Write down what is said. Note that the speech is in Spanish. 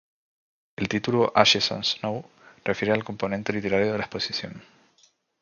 El título, "Ashes and Snow", refiere al componente literario de la exposición.